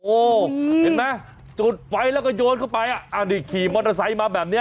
เห็นไหมจุดไฟแล้วก็โยนเข้าไปอ่ะอ่านี่ขี่มอเตอร์ไซค์มาแบบนี้